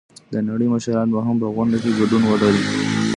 د نړۍ مشران به هم په غونډه کې ګډون ولري.